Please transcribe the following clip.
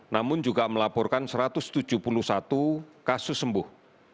namun juga melaporkan satu ratus tujuh puluh satu kasus sembuh